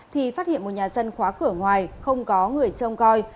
thì phát hiện một nhà dân khóa cửa ngoài không có người trông coi